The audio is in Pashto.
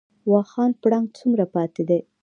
واخان پړانګ څومره پاتې دي؟